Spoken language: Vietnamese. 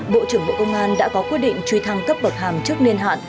bộ trưởng bộ công an đã có quyết định truy thăng cấp bậc hàm trước niên hạn